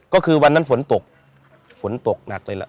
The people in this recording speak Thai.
ก็คือวันนั้นฝนตกฝนตกหนักเลยล่ะ